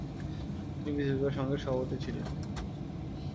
তিনি বিতর্ক সংঘের সভাপতি ছিলেন।